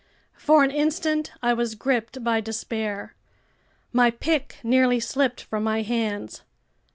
For an instant I was gripped by despair. My pick nearly slipped from my hands.